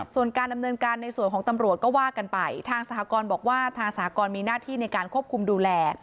ส่วนการดำเนินการในส่วนของตำรวจก็ว่ากันไปทางสหกรณ์บอกว่าทางสหกรณ์มีหน้าที่ในการควบคุมดูแล